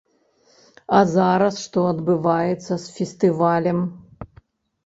А зараз што адбываецца з фестывалем?